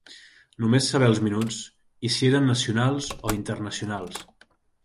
Només saber els minuts, i si eren nacionals o internacionals.